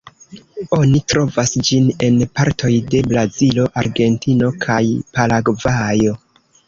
Oni trovas ĝin en partoj de Brazilo, Argentino kaj Paragvajo.